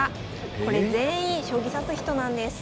これ全員将棋指す人なんです。